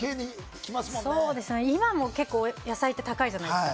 今も結構、野菜って高いじゃないですか。